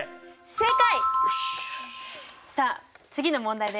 正解！